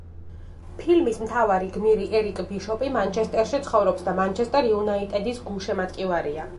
ფილმის მთავარი გმირი, ერიკ ბიშოპი, მანჩესტერში ცხოვრობს და „მანჩესტერ იუნაიტედის“ გულშემატკივარია.